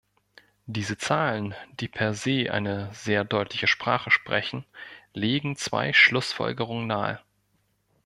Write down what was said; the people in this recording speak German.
Diese Zahlen, die per se eine sehr deutliche Sprache sprechen, legen zwei Schlussfolgerungen nahe.